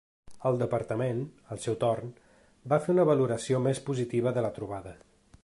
El departament, al seu torn, va fer una valoració més positiva de la trobada.